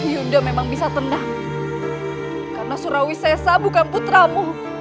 yuda memang bisa tenang karena surawi sesa bukan putramu